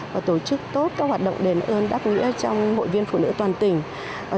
và tổ chức tốt các hoạt động đền ơn đáp nghĩa trong hội viên phụ nữ toàn tỉnh